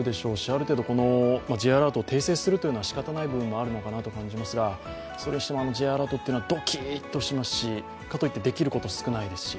ある程度、Ｊアラートを訂正するのもしかたない場合もあるのかなと思いますがそれにしてもＪアラートというのはドキッとしますしかといってできること、少ないですし。